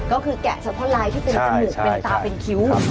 ก็คือแกะสะพ้อลายที่เป็นจนึกเป็นตาเป็นคิ้วครับคุณครับครับ